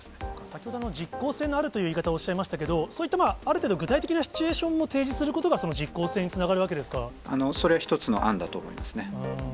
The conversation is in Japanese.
先ほどの実効性のあるという言い方をおっしゃいましたけれども、そういったある程度具体的なシチュエーションも提示することが、それは一つの案だと思います